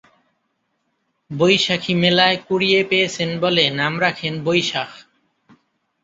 বৈশাখী মেলায় কুড়িয়ে পেয়েছেন বলে নাম রাখেন বৈশাখ।